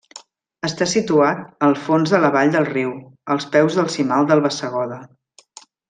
Està situat al fons de la vall del Riu, als peus del cimal del Bassegoda.